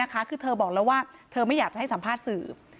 คือเธอบอกแล้วว่าเธอไม่อยากจะให้สัมภาษณ์สื่อ